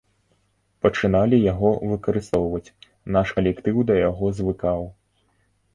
Пачыналі яго выкарыстоўваць, наш калектыў да яго звыкаў.